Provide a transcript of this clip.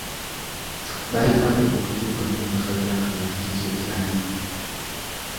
Baayitamu okutuuka ku mpaka z'akamalirizo eza liigi..